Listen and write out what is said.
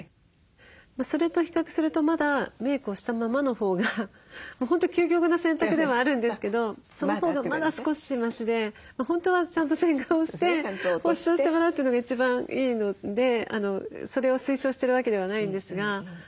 それと比較するとまだメークをしたままのほうが本当究極な選択ではあるんですけどそのほうがまだ少しマシで本当はちゃんと洗顔をして保湿をしてもらうというのが一番いいのでそれを推奨してるわけではないんですが。